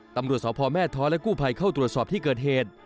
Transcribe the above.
ตำรวจสพแม่ท้อและกู้ภัยเข้าตรวจสอบที่เกิดเหตุ